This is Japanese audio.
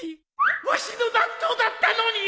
わしの納豆だったのに！